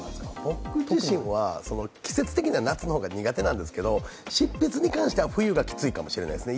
僕自身は夏が苦手なんですけど執筆に関しては冬が厳しいかもしれないですね。